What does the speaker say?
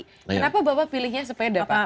kenapa bapak pilihnya sepeda